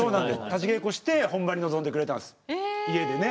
立ち稽古して本番に臨んでくれたんです家でね。